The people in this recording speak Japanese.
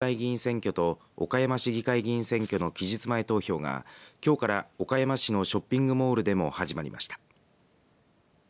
先月３１日に告示された県議会議員選挙と岡山市議会議員選挙の期日前投票がきょうから岡山市のショッピングモールでも始まりました。